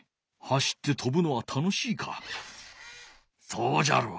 そうじゃろう。